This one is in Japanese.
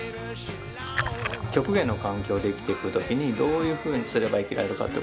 極限の環境で生きてくときにどういうふうにすれば生きられるかってことを調べる。